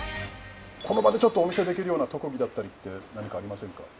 この場でちょっとお見せできるような特技だったりって何かありませんか？